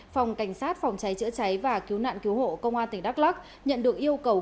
phòng cảnh sát phòng cháy chữa cháy và cứu nạn cứu hộ công an tỉnh đắk lắc nhận được yêu cầu